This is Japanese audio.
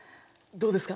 どうですか？